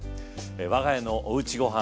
我が家の「おうちごはん」